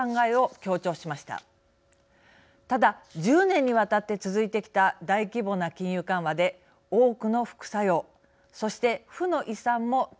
ただ１０年にわたって続いてきた大規模な金融緩和で多くの副作用そして負の遺産も積み残されています。